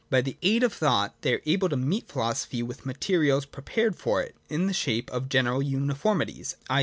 By the aid of thought, they are able to meet philosophy with materials prepared for it, in the shape of general uniformities, i.